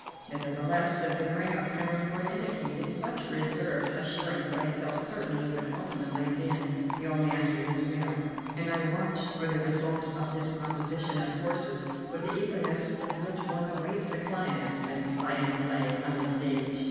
Nevertheless the bearing of Cammerford indicated such reserved assurance that I felt certain he would ultimately bend the old man to his will, and I watched for the result of this opposition of forces with the eagerness with which one awaits the climax of an exciting play on the stage.